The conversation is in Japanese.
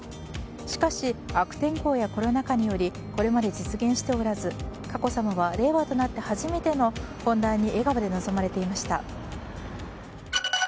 しかし、悪天候やコロナ禍によりこれまで実現しておらず佳子さまは令和となって初めての懇談に笑顔で臨まれていました。